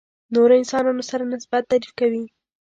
نورو انسانانو سره نسبت تعریف کوي.